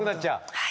はい。